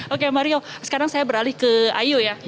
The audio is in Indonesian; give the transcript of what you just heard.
oke mario sekarang saya beralih ke ayu ya